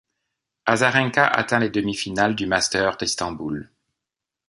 Azarenka atteint les demi-finales du Masters d'Istanbul.